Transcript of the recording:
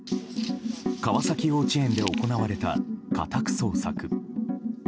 川崎幼稚園で行われた家宅捜索。